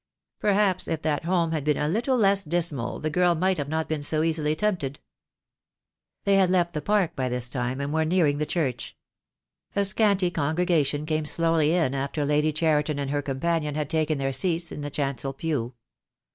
Perhaps if that home had been a little less dismal the girl might not have been so easily tempted." They had left the park by this time and were near ing the church. A scanty congregation came slowly in after Lady Cheriton and her companion had taken their seats in the chancel pew.